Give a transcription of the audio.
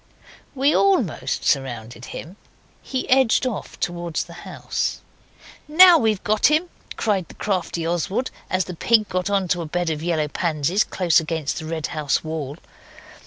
We almost surrounded him. He edged off towards the house. 'Now we've got him!' cried the crafty Oswald, as the pig got on to a bed of yellow pansies close against the red house wall.